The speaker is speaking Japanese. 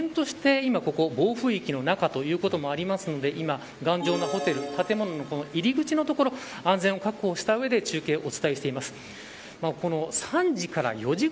ただ依然として今、ここ暴風域の中ということもありますので今、頑丈なホテル建物の入り口の所から安全を確保した上で中継をお伝えしています。